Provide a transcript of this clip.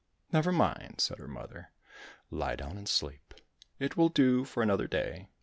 —" Never mind," said her mother, " lie down and sleep ; it will do for another day."